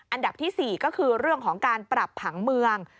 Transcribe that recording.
อันดับที่๔ก็คือเรื่องของการปรับผังเมือง